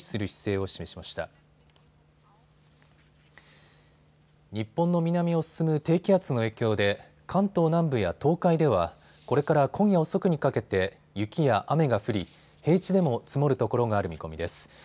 日本の南を進む低気圧の影響で関東南部や東海ではこれから今夜遅くにかけて雪や雨が降り平地でも積もるところがある見込みです。